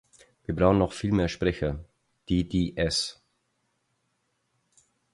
Wir brauchen noch viel mehr Sprecher, die die S